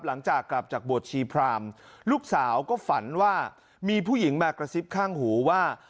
หลังจากกลับจากบวชชีพรามลูกสาวก็ฝันว่ามีผู้หญิงมากระซิบข้างหูว่า